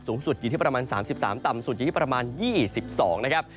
สูงสุดอยู่ที่ประมาณ๓๓ต่ำสุดอยู่ที่ประมาณ๒๒นะครับ